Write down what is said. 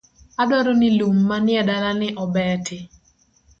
Adwaro ni lum ma ni edala ni obeti